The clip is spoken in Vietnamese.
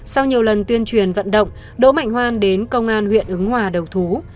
sau nhiều lần tuyên truyền vận động đỗ mạnh hoan đến công an huyện ứng hòa đầu thú